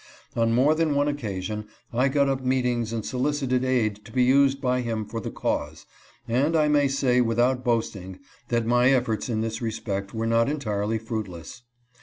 On more than one occasion I got up meet ings and solicited aid to be used by him for the cause, and I may say without boasting that my efforts in this re spect were not entirely fruitless.